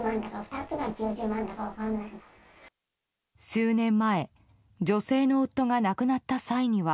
数年前、女性の夫が亡くなった際には。